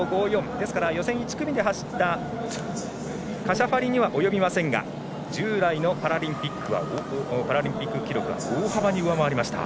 ですから予選１組で走ったカシャファリには及びませんが従来のパラリンピック記録を大幅に上回りました。